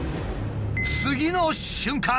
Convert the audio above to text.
次の瞬間。